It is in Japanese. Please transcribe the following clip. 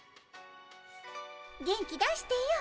元気出してよ。